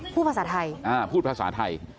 พูดภาษาไทยพูดภาษาไทย